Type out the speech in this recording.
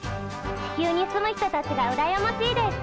地球に住む人たちがうらやましいです。